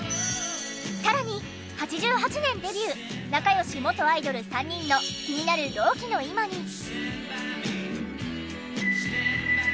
さらに８８年デビュー仲良し元アイドル３人の気になる同期の今に。